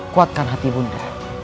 kuatkan hati bunda